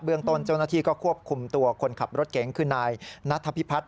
ต้นเจ้าหน้าที่ก็ควบคุมตัวคนขับรถเก๋งคือนายนัทพิพัฒน